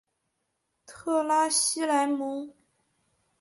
特拉西莱蒙。